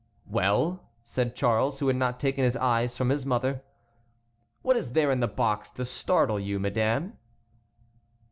"Well," said Charles, who had not taken his eyes from his mother, "what is there in the box to startle you, madame?"